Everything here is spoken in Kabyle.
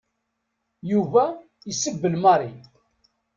Yuba isebbel Mary.